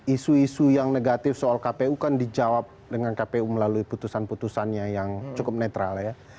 isu isu yang negatif soal kpu kan dijawab dengan kpu melalui putusan putusannya yang cukup netral ya